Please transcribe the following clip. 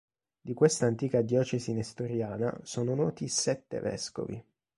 Di questa antica diocesi nestoriana sono noti sette vescovi.